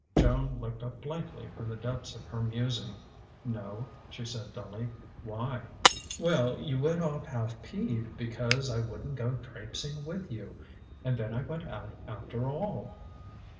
Joan looked up blankly from the depths of her musing. "No," she said dully. "Why?" "Well, you went off half peeved because I wouldn't go trapesing with you and then I went out after all."